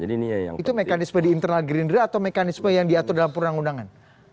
itu mekanisme di internal gerindra atau mekanisme yang diatur dalam perundang undangan